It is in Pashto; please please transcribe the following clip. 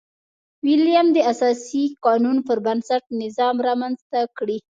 ویلیم د اساسي قانون پربنسټ نظام رامنځته کړي.